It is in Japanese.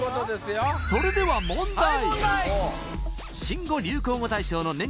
それでは問題